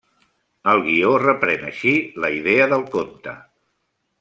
El guió reprèn així la idea del conte.